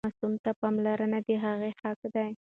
ماسوم ته پاملرنه د هغه حق دی.